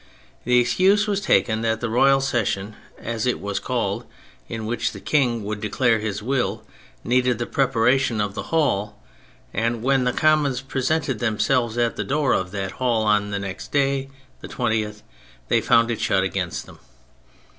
The excuse was taken that the Royal Session, as it was called, in which the King would declare his will, needed the pre paration of the hall, and when the Commons presented themselves at the door of that hall on the next day, the 20th, they found it shut against them.